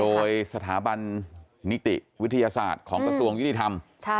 โดยสถาบันนิติวิทยาศาสตร์ของกระทรวงยุติธรรม